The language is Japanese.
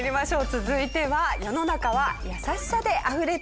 続いては世の中は優しさであふれている。